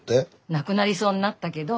亡くなりそうになったけど。